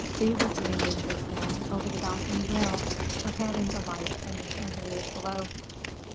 Thea was leaning, just then, over the balcony rail, her head in the light from the chandeliers below.